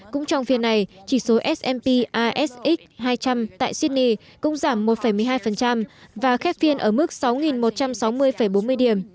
cũng trong phiên này chỉ số s p asx hai trăm linh tại sydney cũng giảm một một mươi hai và khép phiên ở mức sáu một trăm sáu mươi bốn mươi điểm